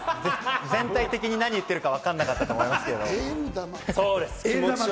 全体的に何言ってるかわかんなかったと思いますけど。